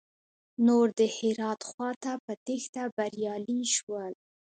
نور د هرات خواته په تېښته بريالي شول.